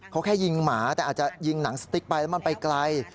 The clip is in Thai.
เขาแค่ยิงหมาแต่อาจจะยิงหนังสติ๊กไปแล้วมันไปไกล